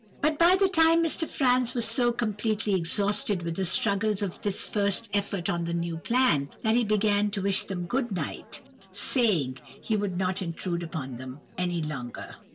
"But by that time Mr. Franz was so completely exhausted with the struggles of this first effort on the new plan, that he began to wish them good night, saying he would not intrude upon them any longer.